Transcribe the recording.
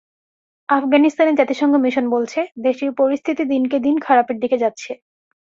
আফগানিস্তানে জাতিসংঘ মিশন বলছে, দেশটির পরিস্থিতি দিনকে দিন খারাপের দিকে যাচ্ছে।